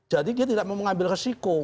jadi dia tidak mau mengambil resiko